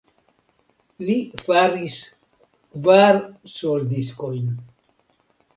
Li faris kvar soldiskojn.